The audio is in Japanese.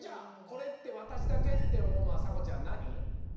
「これってわたしだけ？」っておもうのはさこちゃんなに？